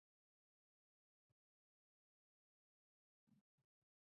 کروندګر د خپلو بچیانو لپاره ارمانونه لري